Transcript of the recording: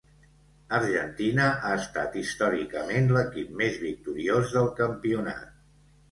Argentina ha estat històricament l'equip més victoriós del campionat.